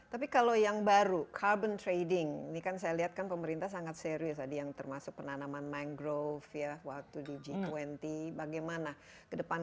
tapi kalau yang baru carbon trading ini kan saya lihat kan pemerintah sangat serius tadi yang termasuk penanaman mangrove ya waktu di g dua puluh bagaimana ke depan